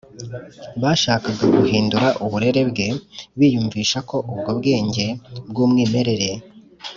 Bashakaga guhindura uburere bwe, biyumvisha ko ubwo bwenge bw’umwimerere